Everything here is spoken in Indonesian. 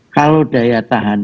kalau daya tahan